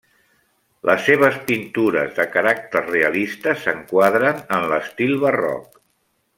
Les seves pintures de caràcter realista s'enquadren en l'estil barroc.